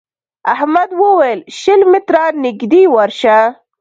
احمد وويل: شل متره نږدې ورشه.